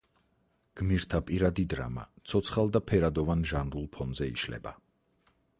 გმირთა პირადი დრამა ცოცხალ და ფერადოვან ჟანრულ ფონზე იშლება.